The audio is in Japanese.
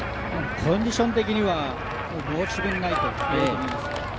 コンディション的には、申し分ないと見えます。